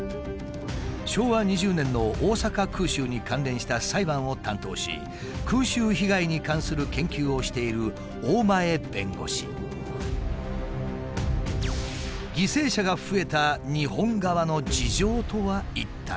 昭和２０年の大阪空襲に関連した裁判を担当し空襲被害に関する研究をしている犠牲者が増えた日本側の事情とは一体？